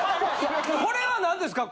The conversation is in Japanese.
これは何ですか？